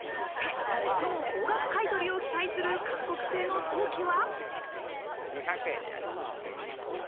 そして最も高額買取を期待する韓国製の陶器は。